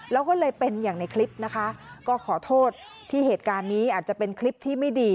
แล้วก็เลยเป็นอย่างในคลิปนะคะก็ขอโทษที่เหตุการณ์นี้อาจจะเป็นคลิปที่ไม่ดี